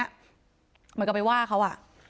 เหมือนกันไปว่าเค้าอ่ะ